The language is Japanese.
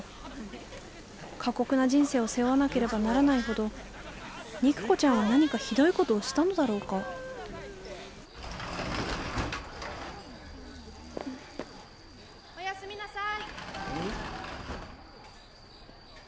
過酷な人生を背負わなければならないほど肉子ちゃんは何かひどいことをしたのだろうかおやすみなさい。